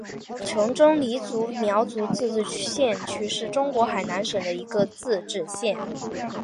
琼中黎族苗族自治县是中国海南省的一个自治县。